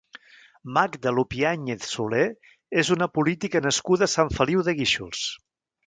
Magda Lupiáñez Soler és una política nascuda a Sant Feliu de Guíxols.